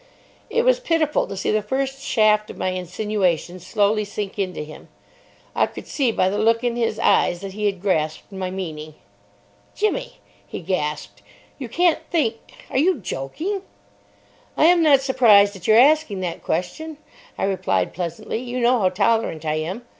It was pitiful to see the first shaft of my insinuation slowly sink into him. I could see by the look in his eyes that he had grasped my meaning. "Jimmy," he gasped, "you can't think—are you joking?" "I am not surprised at your asking that question," I replied pleasantly. "You know how tolerant I am.